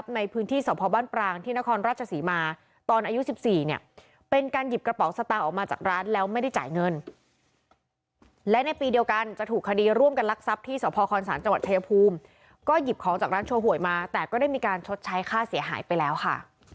ในพื้นที่สพบ้านปรางที่นครราชศรีมาตอนอายุ๑๔เนี่ยเป็นการหยิบกระเป๋าสตางค์ออกมาจากร้านแล้วไม่ได้จ่ายเงินและในปีเดียวกันจะถูกคดีร่วมกันลักทรัพย์ที่สพคศจังหวัดชายภูมิก็หยิบของจากร้านโชว์หวยมาแต่ก็ได้มีการชดใช้ค่าเสียหายไปแล้วค่ะ